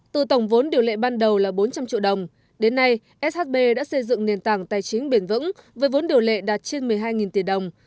từ tổng vốn điều lệ ban đầu là bốn trăm linh triệu đồng đến nay shb đã xây dựng nền tảng tài chính bền vững với vốn điều lệ đạt trên một mươi hai tỷ đồng